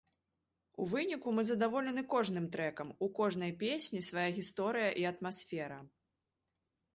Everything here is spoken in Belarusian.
У выніку мы задаволены кожным трэкам, у кожнай песні свая гісторыя і атмасфера.